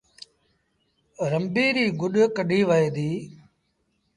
رنبيٚ ريٚ گڏ ڪڍيٚ وهي ديٚ